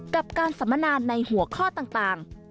กับการสัมมนาในหัวข้อต่าง